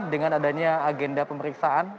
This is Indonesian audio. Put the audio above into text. dengan adanya agenda pemeriksaan